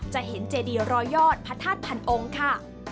เจดีย์รอยอร์ดพระธาตุพันองค์ค่ะ